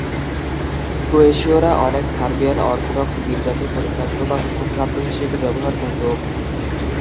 ক্রোয়েশীয়রা অনেক Serbian Orthodox গির্জাকে "পরিত্যক্ত বা হুকুমপ্রাপ্ত" হিসেবে ব্যবহার করত।